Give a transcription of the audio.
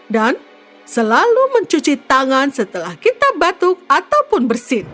dan selalu mencuci tangan setelah kita batuk ataupun bersin